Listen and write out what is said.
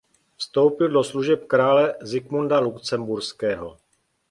Vstoupil do služeb krále Zikmunda Lucemburského.